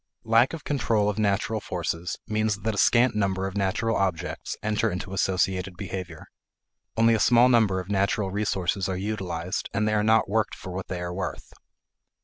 Lack of control of natural forces means that a scant number of natural objects enter into associated behavior. Only a small number of natural resources are utilized and they are not worked for what they are worth.